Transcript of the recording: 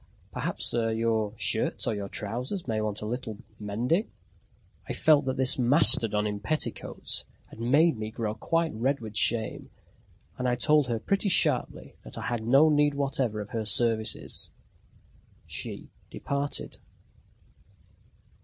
"Perhaps, sir, your shirts or your trousers may want a little mending?" I felt that this mastodon in petticoats had made me grow quite red with shame, and I told her pretty sharply that I had no need whatever of her services. She departed.